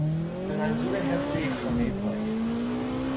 به منظور حفظ یک خانهی تاریخی